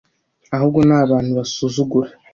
ahubwo ni abantu basuzugura.